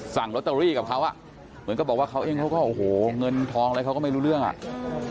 สั่งลอตเตอรี่กับเขาอ่ะเหมือนกับบอกว่าเขาเองเขาก็โอ้โหเงินทองอะไรเขาก็ไม่รู้เรื่องอ่ะ